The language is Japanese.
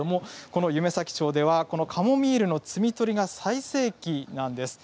夢前町ではカモミールの摘み取りが最盛期です。